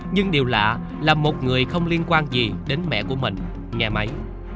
nhưng điều lạ là một người không liên quan gì đến mẹ của mình nhà máy